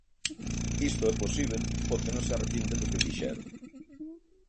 Isto é posíbel porque non se arrepinten do que fixeron.